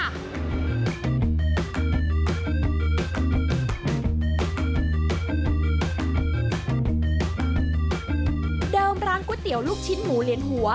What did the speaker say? ดังเดิมหลังกู้เตี๋ยวลูกชิ้นหมูเลียนหัว